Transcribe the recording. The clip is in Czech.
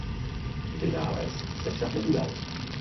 Vynález se však neujal.